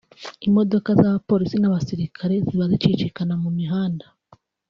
imodoka z’abapolisi n’abasirikare ziba zicicikana mu mihanda